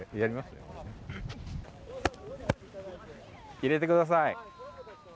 入れてください。